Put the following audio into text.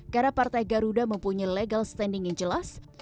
karena partai garuda mempunyai legal standing yang jelas